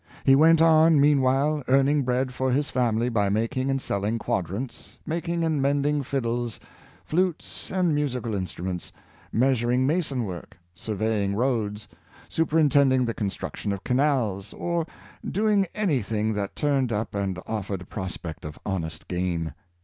He went on, meanwhile, earning bread for his family by making and selling quadrants, making and mending fiddles, flutes and musical instru ments, measuring mason work, surveying roads, super intending the construction of canals, or doing anything that turned up and offered a prospect of honest gain.